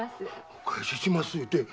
お返ししますって。